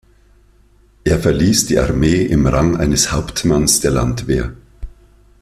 Er verließ die Armee im Rang eines Hauptmanns der Landwehr.